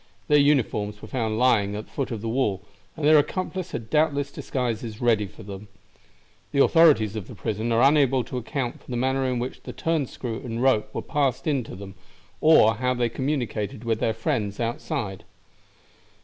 Their uniforms were found lying at the foot of the wall, and their accomplice had doubtless disguises ready for them. The authorities of the prison are unable to account for the manner in which the turn screw and rope were passed in to them, or how they communicated with their friends outside."